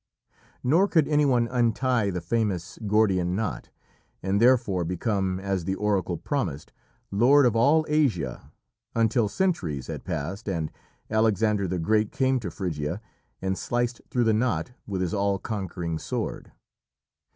Nor could anyone untie the famous Gordian knot, and therefore become, as the oracle promised, lord of all Asia, until centuries had passed, and Alexander the Great came to Phrygia and sliced through the knot with his all conquering sword.